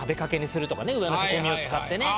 上のへこみを使ってね。